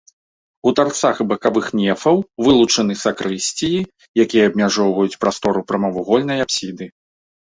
У тарцах бакавых нефаў вылучаны сакрысціі, якія абмяжоўваюць прастору прамавугольнай апсіды.